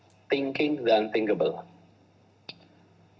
berpikir dengan cara yang tidak terpikirkan